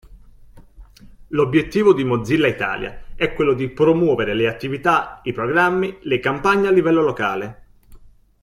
L'obiettivo di Mozilla Italia è quello di promuovere le attività, i programmi, le campagne a livello locale.